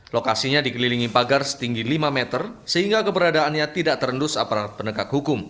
lokasinya dikelilingi pagar setinggi lima meter sehingga keberadaannya tidak terendus aparat penegak hukum